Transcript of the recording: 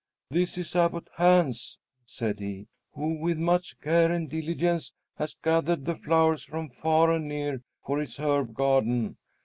"This is Abbot Hans," said he, "who with much care and diligence has gathered the flowers from far and near for his herb garden.